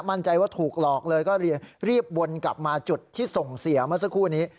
มั่นใจว่าถูกหลอกเลยก็รีบวนกลับมาจุดที่ส่งเสียเมื่อสักครู่นี้